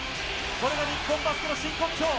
これが日本バスケの真骨頂。